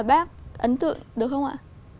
mà bác ấn tượng được không ạ